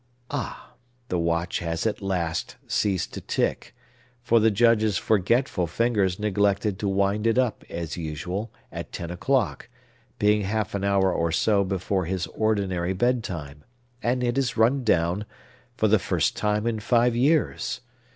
Ah! the watch has at last ceased to tick; for the Judge's forgetful fingers neglected to wind it up, as usual, at ten o'clock, being half an hour or so before his ordinary bedtime,—and it has run down, for the first time in five years.